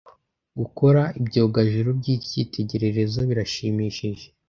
Gukora ibyogajuru by'icyitegererezo birashimishije.